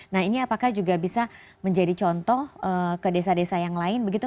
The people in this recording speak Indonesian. nah ini apakah juga bisa menjadi contoh ke desa desa yang lain begitu